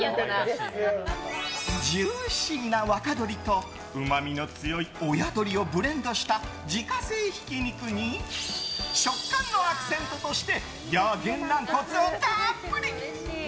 ジューシーな若鶏とうまみの強い親鶏をブレンドした自家製ひき肉に食感のアクセントとしてやげん軟骨をたっぷり。